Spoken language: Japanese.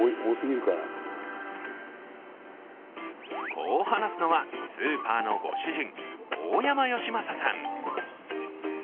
こう話すのはスーパーのご主人・大山義正さん。